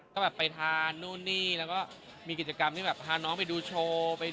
ก็แบบไปทานนู่นนี่แล้วก็มีกิจกรรมที่แบบพาน้องไปดูโชว์